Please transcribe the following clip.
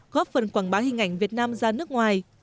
góp phần quảng bá hình ảnh việt nam ra nước ngoài